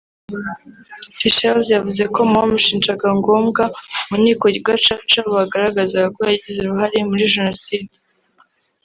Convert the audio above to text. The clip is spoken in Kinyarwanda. Fischels yavuze ko mu bashinjaga Ngombwa mu nkiko Gacaca bagaragazaga ko yagize uruhare muri Jenoside